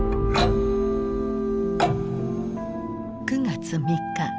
９月３日。